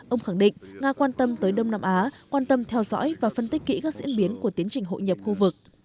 ông khẳng định nga quan tâm tới đông nam á quan tâm theo dõi và phân tích kỹ các diễn biến của tiến trình hội nhập khu vực